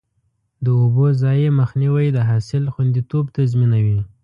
د اوبو ضایع مخنیوی د حاصل خوندیتوب تضمینوي.